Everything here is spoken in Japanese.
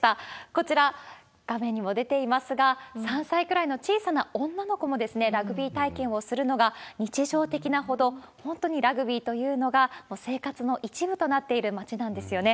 こちら、画面にも出ていますが、３歳ぐらいの小さな女の子もラグビー体験をするのが日常的なほど、本当にラグビーというのが生活の一部となっている町なんですよね。